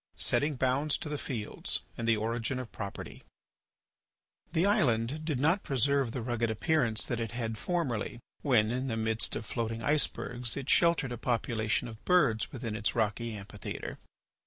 III. SETTING BOUNDS TO THE FIELDS AND THE ORIGIN OF PROPERTY The island did not preserve the rugged appearance that it had formerly, when, in the midst of floating icebergs it sheltered a population of birds within its rocky amphitheatre.